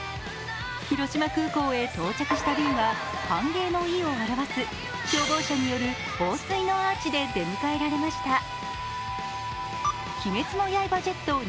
広島空港へ到着した便は歓迎の意を表す消防車による放水のアーチで出迎えられました。